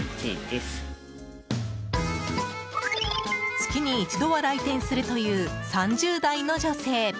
月に一度は来店するという３０代の女性。